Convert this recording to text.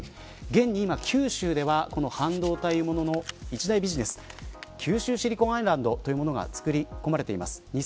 現に今、九州では半導体の一大ビジネス九州シリコンアイランドというものが作り込まれています。